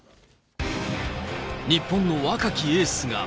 日本の若きエースが。